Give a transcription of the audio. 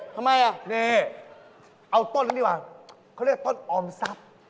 ทำไมอ่ะนี่เอาต้นนั้นดีกว่าเขาเรียกต้นออมทรัพย์